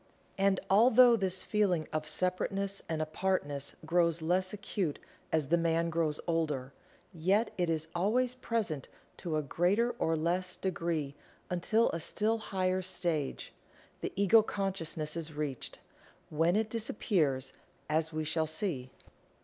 And, although this feeling of separateness and apartness grows less acute as the man grows older, yet it is always present to a greater or less degree until a still higher stage the Ego consciousness is reached, when it disappears as we shall see.